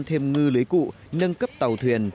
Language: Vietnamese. thêm ngư lưới cụ nâng cấp tàu thuyền